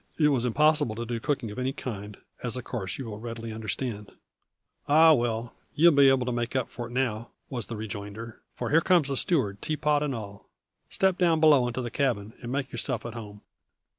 "It was impossible to do cooking of any kind, as of course you will readily understand." "Ah, well, ye'll be able to make up for it now," was the rejoinder, "for here comes the steward, teapot and all. Step down below into the cabin, and make yourself at home."